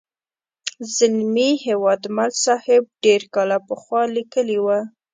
زلمي هیوادمل صاحب ډېر کاله پخوا لیکلې وه.